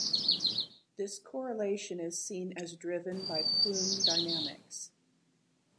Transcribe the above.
This correlation is seen as driven by plume dynamics.